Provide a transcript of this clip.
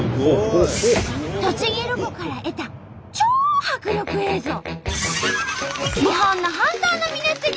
栃木ロコから得た超迫力映像！